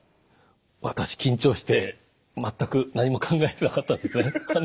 私緊張して全く何も考えてなかったんですね。